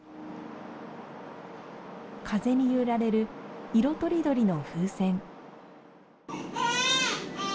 風に揺られる色とりどりの風船。